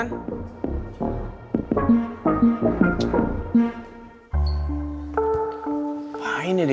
ngapain ya dia